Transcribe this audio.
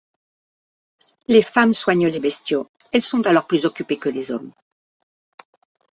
Les femmes soignent les bestiaux; elles sont alors plus occupées que les hommes.